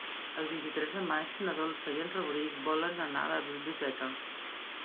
El vint-i-tres de maig na Dolça i en Rauric volen anar a la biblioteca.